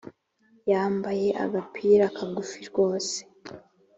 Yambaye agapira kagufi rwose